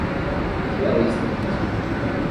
O que é o islamismo?